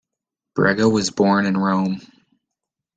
Brega was born in Rome.